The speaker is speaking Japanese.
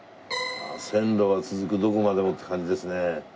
線路は続くどこまでもって感じですね。